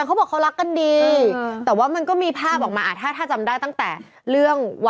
เขาลากตัวหมดเลยนะ